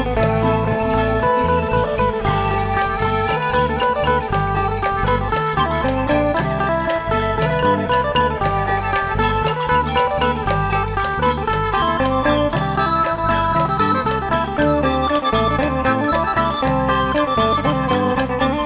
สวัสดีครับสวัสดีครับ